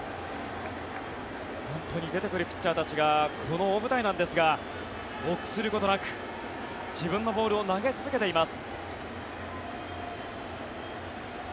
本当に出てくるピッチャーたちがこの大舞台なんですが臆することなく自分のボールを投げ続けています。